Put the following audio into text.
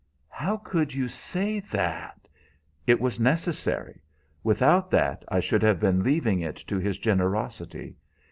"How could you say that" "It was necessary. Without that I should have been leaving it to his generosity.